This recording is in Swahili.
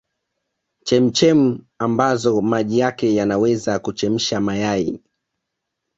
chemchem ambazo maji yake yanaweza kuchemsha mayai